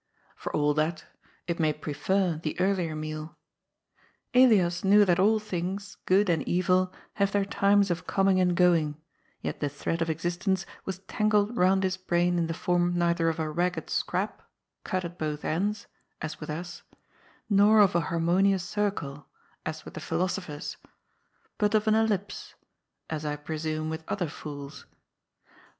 For all that, it may prefer the earlier meal. Elias knew that all things, good and evil, have their times of coming and going, yet the thread of existence was tangled round his brain in the form neither of a ragged scrap — cut at both ends — (as with us) nor of a harmonious circle (as with the philosophers) but of an ellipse (as, I pre sume, with other fools).